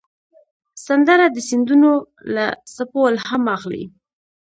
سندره د سیندونو له څپو الهام اخلي